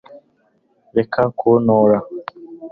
Reka kuntora